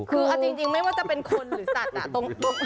คือเอาจริงไม่ว่าจะเป็นคนหรือสัตว์อ่ะ